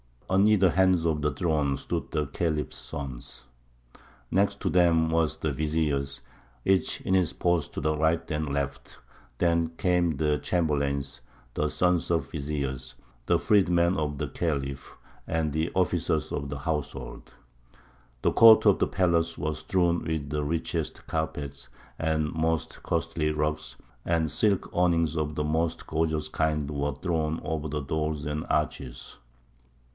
On either hand of the throne stood the Khalif's sons; next to them the vizirs, each in his post to the right and left; then came the chamberlains, the sons of vizirs, the freedmen of the Khalif, and the officers of the household. The court of the palace was strewn with the richest carpets and most costly rugs, and silk awnings of the most gorgeous kind were thrown over the doors and arches.